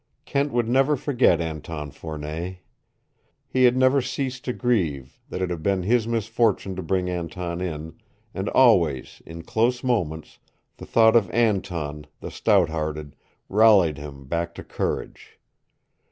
Kent would never forget Anton Fournet. He had never ceased to grieve that it had been his misfortune to bring Anton in, and always, in close moments, the thought of Anton, the stout hearted, rallied him back to courage.